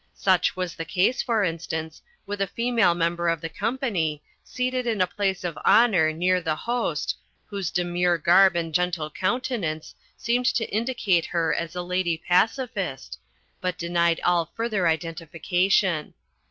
Such was the case, for instance, with a female member of the company, seated in a place of honour near the host, whose demure garb and gentle countenance seemed to indicate her as a Lady Pacifist, but denied all further identification.